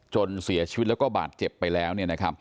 จนเสียชีวิตแล้วก็บาดเจ็บไปแล้ว